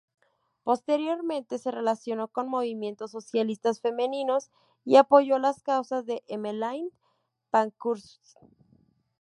Posteriormente, se relacionó con movimientos socialistas femeninos y apoyó las causas de Emmeline Pankhurst.